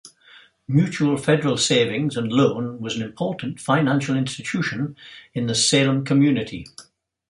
Mutual Federal Savings and Loan was an important financial institution in the Salem community.